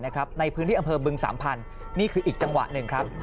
ในพื้นที่อำเภอบึงสามพันธุ์นี่คืออีกจังหวะหนึ่งครับ